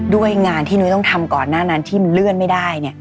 ด้วยงานที่นุ้ยต้องทำก่อนหน้านั้นที่มันเลื่อนไม่ได้